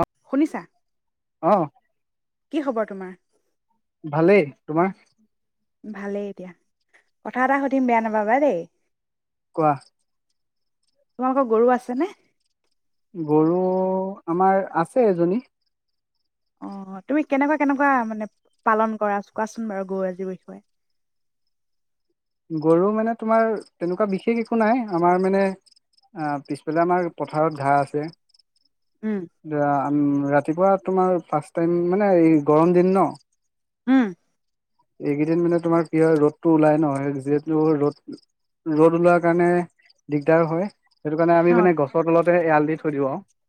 অ শুনিছা? অ'। কি খবৰ তোমাৰ? ভালে তোমাৰ? ভালে দিয়া এতিয়া কথা এটা সুধিম বেয়া নাপাবা দে। কোৱা। তোমালোকৰ গৰু আছে নে? গৰু আমাৰ আছে এজনী। অ', তুমি কেনেকুৱা কেনেকুৱা মানে পালন কৰা, কোৱাচোন বাৰু গৰুৰ আজি বিষয়ে। গৰু মানে তোমাৰ তেনেকুৱা বিশেষ একো নাই, আমাৰ মানে পিছফালে আমাৰ পথাৰত ঘাঁহ আছে। উম [unintelligible] ৰাতিপোৱা তোমাৰ ফাৰ্ষ্ট টাইম মানে গৰম দিন ন'। উম। এই কেইদিন মানে তোমাৰ পিয়ৰ ৰ'দ টো ওলাই ন'? যিহেতু, ৰদ ওলোৱাৰ কাৰণে দিগদাৰ হয়। সেইটোকাৰণে আমি অ মানে গছৰ তলতে এয়াল দি [unintelligible]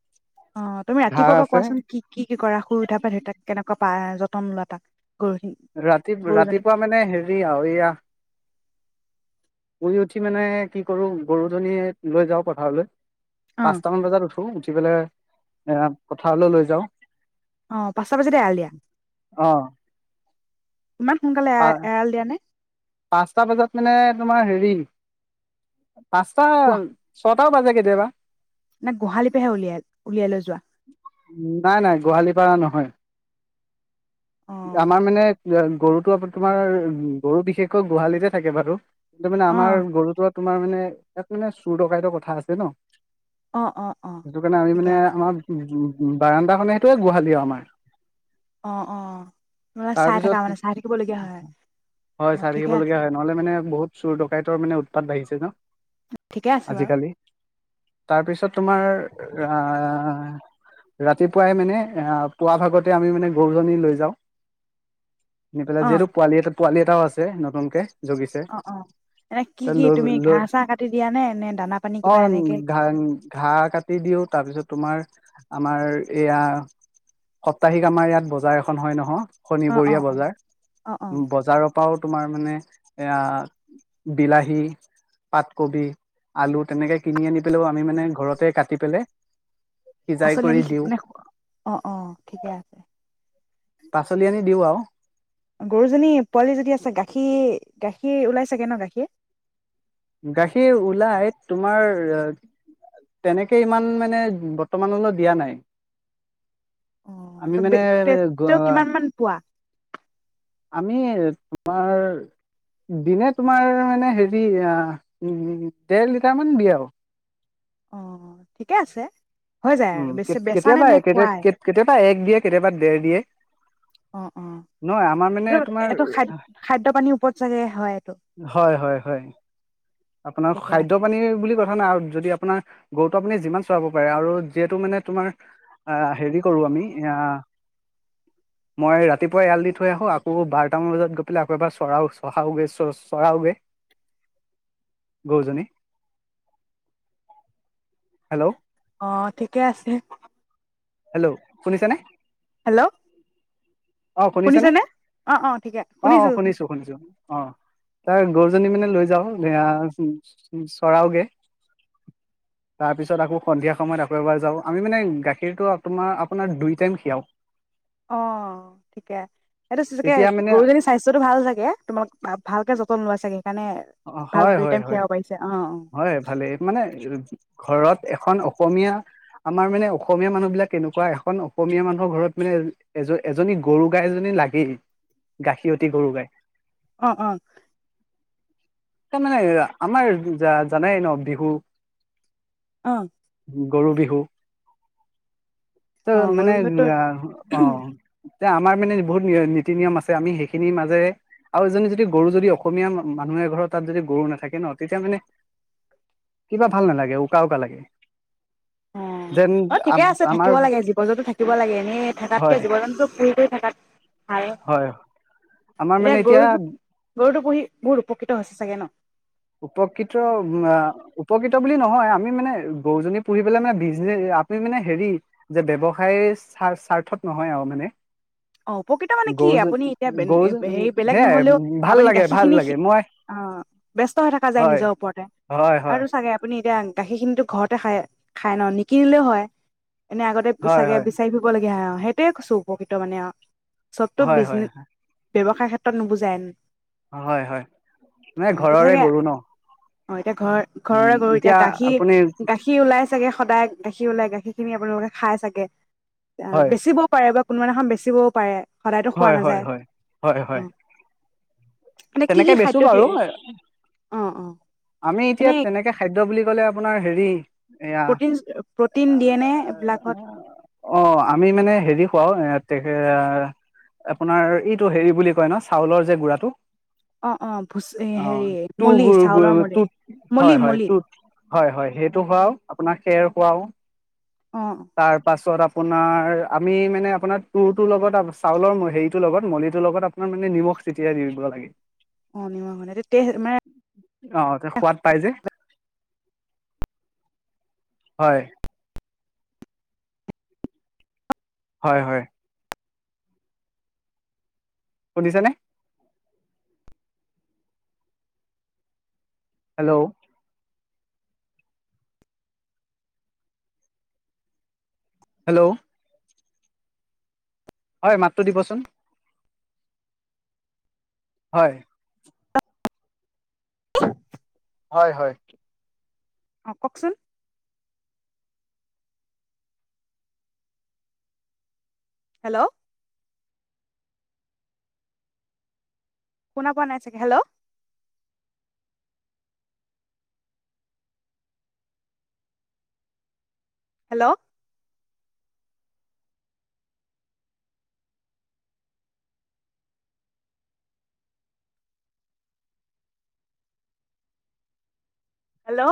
অ', তুমি ৰাতি ঘাঁহ পোৱাৰ পৰা আছে কোৱাচোন কি কি কৰা শুই উঠাৰ পৰা দেউতাক কেনেক [unintelligible] ৰাতি পুৱা মানে হেৰি আৰু এইয়া শুই মানে কি কৰোঁ গুৰু জনীয়ে লৈ যাওঁ পথাৰলৈ। অ পাঁচ টা মান বজাত উঠো, উঠিপেলাই এয়া পথাৰলৈ লৈ যাওঁ। অ' পাঁচটা বজাতে এৰাল দিয়া ইমান সোনকালে এ অহ' এৰাল দিয়া নে পাঁচটা বজাত মানে [unintelligible] হেৰি, পাঁচটা, ছয়টা [unintelligible] বাজে কেতিয়াবা, না গোহালিপে হে উলিয়াই উলিয়াই, [unintelligible] যোৱা, না নাই গোহলি পৰা নহয় অ আমাৰ মানে ইয়াৰ গৰুটো আকৌ তোমাৰ গৰু বিশেষকৈ গোহালিতে থাকে বাৰু। তাৰ মানে অ আমাৰ গৰুটো তোমাৰ মানে ইয়াত মানে চুৰ ডকাইতৰ কথা আছে ন। অ অ অ সেইটো কেনে আমি ঠিকে মানে আছে আমাৰ [unintelligible] বাৰাণ্ডাখনে সিতয়ে গোহালিও আমাৰ অ অ মানে চাই থাকা তাৰপিছত মানে চাই থাকিবলগীয়া হয় হয় অ চাই ঠিকে থাকিব আছে লগীয়া হয়, নহ'লে মানে বহুত চুৰ ডকাইতৰ মানে উৎ পাত বাঢ়িছে ন। ঠিকে আছে বাৰু আজিকালি তাৰ পিছত তোমাৰ [unintelligible] ৰাতিপুৱাই মানে পুৱাভাগতে আমি মানে গৰুজনি লৈ যাওঁ নি অ পেলাই যিহেতু পোৱালী এটা পোৱালী এটাও আছে নতুন কে যোগিছে অ অ এনে কি [unintelligible] কি তুমি লৈ লৈ ঘাঁহ চাহ কাটি দিয়া নে নে দানা পানী অ কিবা এনেকে [unintelligible] ঘাঁহ কাটি দিওঁ তাৰপিছত তোমাৰ আমাৰ এয়া সাপ্তাহিক আমাৰ ইয়াত বজাৰ এখন হয় নহ অ অ শনিবৰীয়া অ বজাৰ অ অ বজাৰৰ পৰাও তোমাৰ মানে এয়া বিলাহী পাতকবি আলু তেনেকে কিনি আনি পেলাওঁ আমি মানে ঘৰতে কাটি পেলে আচলে নেকি মানে অ অ ঠিকে আছে পাচলি আনি দিও আও গৰুজনী পোৱালী যদি আছে গাখীৰ গাখীৰ উলাই চাগে ন গাখীৰ, গাখীৰ উলাই তোমাৰ তেনেকে ইমান মানে বৰ্তমান লৈ দিয়া নাই অ আমি মানে [unintelligible] তে তেও কিমান মান পোৱা আমি তোমাৰ দিনে তোমাৰ মানে হেৰি আ ডেৰলিটাৰ মান দিয়ে আৰু অ ঠিকে আছে হৈ যায় উম আৰু কে বেছি কে বেচা নে কেতিয়াবা নে কে কে খুৱাই কেতিয়াবা কেতিয়াবা এক দিয়ে কেতিয়াবা দেৰ দিয়ে অ অ নহয় আমাৰ মানে তোমাৰ সেইটো খাদ্য খাদ্য পানীৰ ওপৰত [unintelligible] হয়। এইটো হয়, হয়, হয়। আপোনাৰ ঠিকে খাদ্য আছে পানী বুলি কথা নাই আৰু। যদি আপোনাৰ গৰুটো আপুনি যিমান চৰাব পাৰে, আৰু যিহেতু মানে তোমাৰ আ' হেৰি কৰু আমি, মই ৰাতিপুৱাই এৰাল দি থৈ আহু, আকৌ বাৰটা মান বজাত গৈ আকৌ এবাৰ চৰাও চহাওগে, চৰাওগে। গৰুজনী হেল্ল' অ', ঠিকে আছে। হেল্ল', শুনিছানে? হেল্ল'। অ', শুনিছানে? শুনিছেনে অ অ ঠিকে অ', শুনিছো অ', শুনিছো শুনিছোঁ শুনিছোঁ অ'। তাৰ গৰুজনী মানে লৈ যাওঁ। হেয়া চৰাওঁগে। তাৰপিছত আকৌ সন্ধিয়া সময়ত আকৌ এবাৰ যাওঁ। আমি মানে গাখীৰটো তোমাৰ আপোনাৰ, আপোনাৰ দুই টাইম ক্ষীৰাও। অ'। ঠিকে সেইটো চা চাগে তেতিয়া মানে গৰুজনীৰ স্বাস্থ্যটো ভাল চাগে, ভা ভালকে জপি [unintelligible] চাগে ভাল হয় হয় দুইতাইম হয় খীৰাব পাৰিছে অ' হয়, ভালেই, মানে ঘৰত। এখন অসমীয়া, আমাৰ মানে অসমীয়া মানুহ বিলাক কেনেকুৱা এখন, অসমীয়া মানুহৰ ঘৰত মানে এজ এজনী গৰুগাই এজনী লাগেই, গাখীৰতী গৰু গাই। অ', অ' একদম মানে, আমাৰ জা জানাই ন' বিহু অ'। গৰু বিহু অ ত' গৰু মানে, বিহুতো অ' এ আমাৰ মানে বহুত নি নিতি-নিয়ম আছে, আমি সেইখিনি মাজেৰে আৰু এজনী যদি গৰু যদি অসমীয়া মা মানুহ এঘৰত তাত যদি গৰু নাথাকে ন', তেতিয়া মানে কিবা ভাল নালাগে। উকা উকা লাগে। অ', যেন অ', ঠিকে আছে, আমাৰ থাকিও লাগে, জীৱ-জন্তু থাকিব লাগে এনেই থাকাতকে হয় জীৱ-জন্তু [unintelligible] [unintelligible] ভাল, হয় আমাৰ এতিয়া মানে গৰুটো, গৰুটো পুহি। বহুত উপকৃত হৈছে চাগে ন'? উপকৃত উম আ, উপকৃত বুলি নহয়, আমি মানে, গৰুজনী পুহি পেলাই মানে, বিজনেছ আমি মানে হেৰী, ব্যৱসায়ীৰ স্বাৰ-স্বাৰ্থত নহয় আৰু মানে। অ' উপকৃত মানে কি, গৰুজনী আপুনি এতিয়া গৰুজনী [unintelligible] হেৰি বেলেগ সেয়াই নহলেও ভাল আপুনি লাগে ভাল গাখীৰখিনি লাগে খীৰ মই অ', [unintelligible] [unintelligible] থকা যায় হয় নিজৰ ওপৰতে, হয় হয় আৰু চাগে আপুনি [unintelligible] গাখীৰখিনিতো ঘৰতে খায়, খায় ন', নিকিনিলেও হয়। এনে আগতে হয় চাগে হয় বিচাৰি ফুৰিব লাগি আআউ হয়তু আই কৈছু উপবিত্ৰ মনে আৰু ছব তু হয় হয় বিজনেছ ব্যৱসায় ক্ষেত্ৰত নুবুজেন ও, হয় হয়, মানে ঘৰৰ আই গৰু নহ। ওইত। এতিয়া ঘৰ ঘৰৰে আই গৰু গাখীৰ আপুনি গাখীৰ উলাই চাগে। সদায় গাখীৰ উলাই গাখীৰখিনি আপোনালোকে খাই চাগে। এতিয়া হয় বেচিব পাৰে বা কোনবা দিনাখন বেছিব। পাৰে। সদায়তো খোৱা হয় হয় নাযায় হয়, হয় অ হয়, এনে কি তেনেকে কি বেছোঁ খাদ্য দিয়ে বাৰু, অ অ আমি এতিয়া এনে তেনেকে খাইটো বুলি। ইফালে আপোনাৰ হেৰি আইয়াহ প্ৰটিন প্ৰটিন আ দিয়ে নে আ আ, এইবিলাকত অ', আমি মানে হেৰি খুৱাওঁ। শিখেগা আপোনাৰ এইটো হেৰি বুলি কোৱা নহয়, চাউলৰ যে গুৰা টো। অ অ ভুচ হেৰি এ তু মলি গুৰগো চাউলৰ গৈআগো মলি তুত মলি হয় হয় মলি তুত সেইটো বাৰু খেৰ খুৱাওঁ অ তাৰ পাছত আপোনাৰ, আমি মানে আপোনাৰ তু তু লগত চাউলৰ হেৰি টো লগত, মূলি টো লগত, আপোনাৰ মানে নিমখ চেতিয়াই দি ল'ব লাগে। অ', নিমখ হ'লে তেতিয়াহে মে, অ' যে সোৱাদ পায় যে। হয়। হয় হয়। শুনিছে নে? হেলো। হেলো। হয়, মাতটো দিবা চোন। হয়। হয়-হয়। অ', কওক চোন। হেলো। শুনা পোৱা নাই চাগে হেলো। হেলো। হেলো।